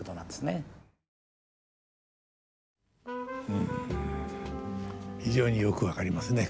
うん非常によく分かりますね。